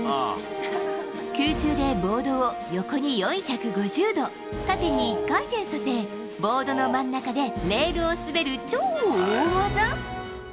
空中でボードを横に４５０度、縦に１回転させ、ボードの真ん中でレールを滑る超大技。